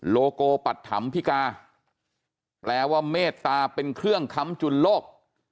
โลโกปัตถำพิกาแปลว่าเมตตาเป็นเครื่องค้ำจุนโลก